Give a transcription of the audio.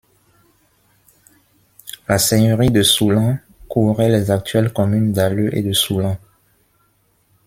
La seigneurie de Soulan couvrait les actuelles communes d'Aleu et de Soulan.